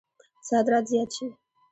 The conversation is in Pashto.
صادرات زیات شي.